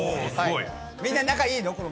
みんな仲いいの？